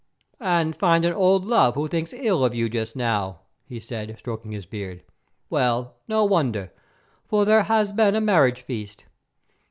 "And find an old love who thinks ill of you just now," he said, stroking his beard. "Well, no wonder, for here has been a marriage feast.